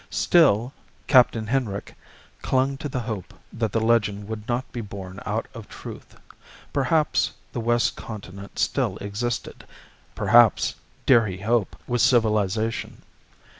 Still, Captain Hinrik clung to the hope that the legend would not be borne out by truth. Perhaps the west continent still existed; perhaps, dare he hope, with civilization.